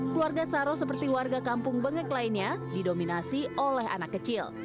keluarga saro seperti warga kampung bengek lainnya didominasi oleh anak kecil